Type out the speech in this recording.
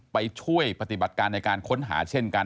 ไปช่วยปฏิบัติการในการค้นหาเช่นกัน